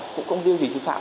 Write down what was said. cũng không riêng gì sư phạm